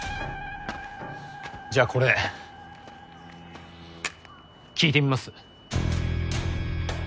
じゃあこれ聴いてみます？